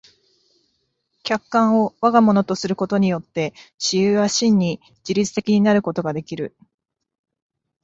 客観を我が物とすることによって思惟は真に自律的になることができる。